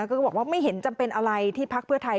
ก็บอกว่าไม่เห็นจำเป็นอะไรที่พักเพื่อไทย